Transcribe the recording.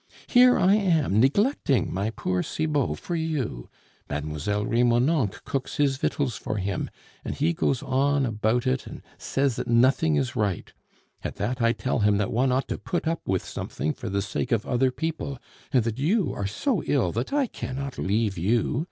Here am I neglecting my poor Cibot for you; Mlle. Remonencq cooks his victuals for him, and he goes on about it and says that nothing is right! At that I tell him that one ought to put up with something for the sake of other people, and that you are so ill that I cannot leave you.